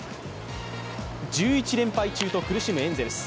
１１連敗中と苦しむエンゼルス。